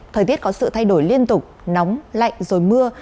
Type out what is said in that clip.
thời tiết có sự thay đổi liên tục nóng lạnh rồi mưa